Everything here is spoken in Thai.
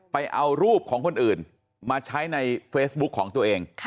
ไปเอารูปของคนอื่นมาใช้ในเฟซบุ๊คของตัวเอง